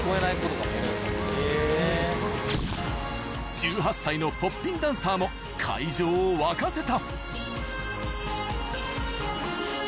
１８歳のポッピンダンサーも会場を沸かせた